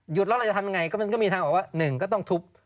หยุดแล้วเราจะทำไงก็มันก็มีทางออกว่า๑ก็ต้องทุบ